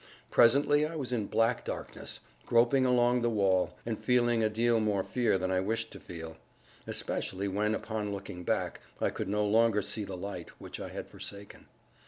Presently I was in black darkness, groping along the wall, and feeling a deal more fear than I wished to feel; especially when, upon looking back, I could no longer see the light, which I had forsaken.